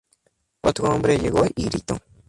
Otro hombre llegó y gritó.